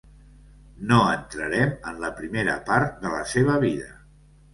No entrarem en la primera part de la seva vida.